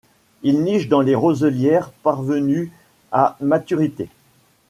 Il niche dans les roselières parvenus à maturité.